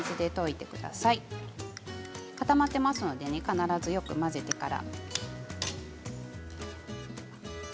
固まっていますから必ずよく混ぜてから。